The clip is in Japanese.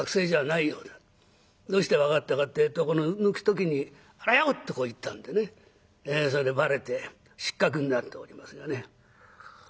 どうして分かったかってえとこの抜く時に「あらよ！」とこう言ったんでねそれでバレて失格になっておりますがね。